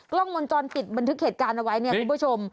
กล้องวงจรปิดบันทึกเหตุการณ์เอาไว้เนี่ยคุณผู้ชม